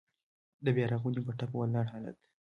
د بيا رغونې په ټپه ولاړ حالات.